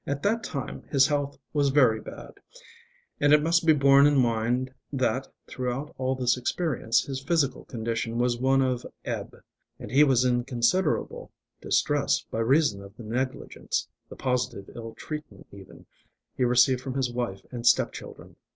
At that time his health was very bad and it must be borne in mind that, throughout all this experience, his physical condition was one of ebb and he was in considerable distress by reason of the negligence, the positive ill treatment even, he received from his wife and step children.